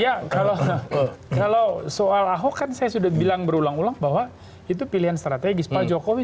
ya kalau soal ahok kan saya sudah bilang berulang ulang bahwa itu pilihan strategis pak jokowi